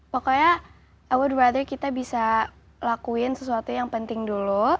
pokoknya i would rather kita bisa lakuin sesuatu yang penting dulu